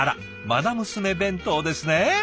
まな娘弁当ですね。